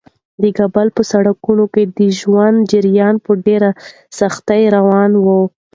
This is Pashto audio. د کابل په سړکونو کې د ژوند جریان په ډېرې سختۍ روان و.